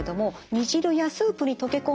煮汁やスープに溶け込んだ